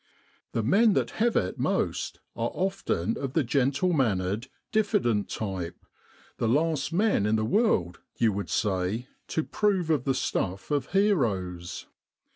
The men that have it most are often of the gentle mannered, diffident type the last men in the world, you would say, to prove of the stuff of heroes.